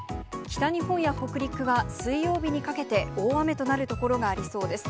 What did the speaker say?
北日本や北陸は水曜日にかけて大雨となる所がありそうです。